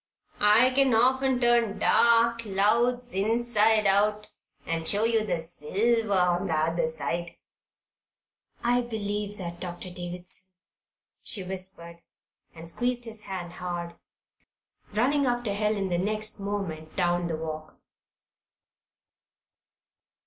I can often turn dark clouds inside out and show you the silver on the other side." "I believe that, Doctor Davison," she whispered, and squeezed his hand hard, running after Helen the next moment down the walk.